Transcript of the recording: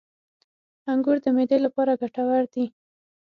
• انګور د معدې لپاره ګټور دي.